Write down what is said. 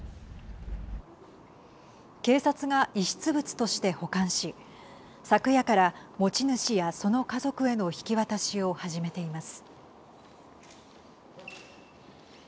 警察が遺失物として保管し昨夜から持ち主やその家族への引き渡しを始めています。